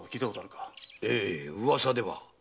ええ噂では。